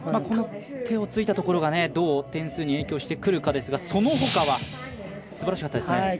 この手をついたところがどう点数に影響してくるかですがそのほかはすばらしかったですね。